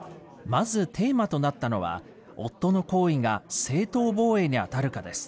まずテーマとなったのは、夫の行為が正当防衛に当たるかです。